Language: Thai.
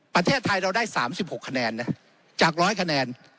ประเทศไทยเราได้สามสิบหกคะแนนน่ะจากร้อยคะแนน